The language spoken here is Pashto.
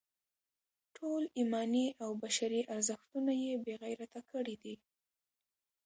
ټول ایماني او بشري ارزښتونه یې بې غیرته کړي دي.